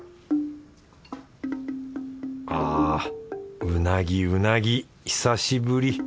あうなぎうなぎ久しぶり。